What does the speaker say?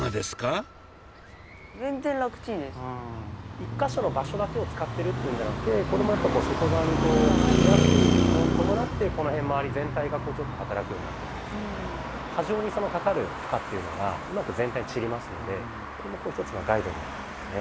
１か所の場所だけを使ってるっていうんじゃなくてこれもやっぱ外側にこう開くのに伴ってこの辺まわり全体がちょっと働くようになってきますので過剰にかかる負荷っていうのがうまく全体に散りますのでこれも１つのガイドになっていきますね。